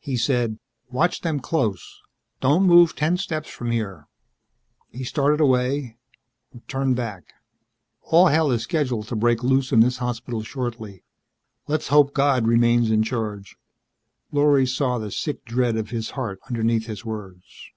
He said, "Watch them close. Don't move ten steps from here." He started away turned back. "All hell is scheduled to break loose in this hospital shortly. Let's hope God remains in charge." Lorry saw the sick dread of his heart underneath his words.